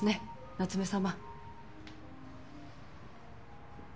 夏目様。